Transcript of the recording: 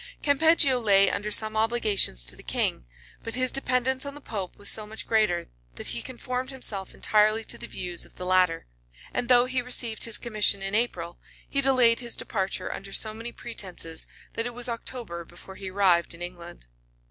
Campeggio lay under some obligations to the king; but his dependence on the pope was so much greater, that he conformed himself entirely to the views of the latter; and though he received his commission in April, he delayed his departure under so many pretences, that it was October before he arrived in England.